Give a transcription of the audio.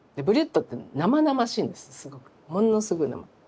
ものすごい生。